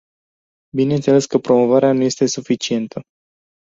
Bineînțeles că promovarea nu este suficientă.